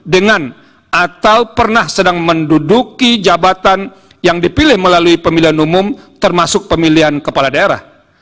dengan atau pernah sedang menduduki jabatan yang dipilih melalui pemilihan umum termasuk pemilihan kepala daerah